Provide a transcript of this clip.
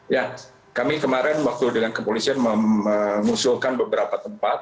ya kami kemarin waktu dengan kepolisian mengusulkan beberapa tempat